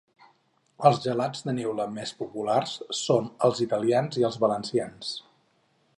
Els gelats de neula més populars són els italians i els valencians.